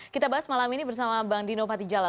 kita bahas malam ini bersama bang dino patijala